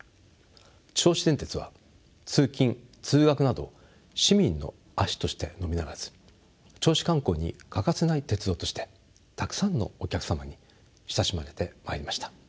銚子電鉄は通勤通学など市民の足としてのみならず銚子観光に欠かせない鉄道としてたくさんのお客様に親しまれてまいりました。